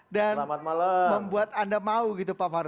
dan membuat anda mau gitu pak fahru